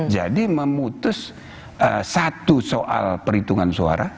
jadi memutus satu soal perhitungan suara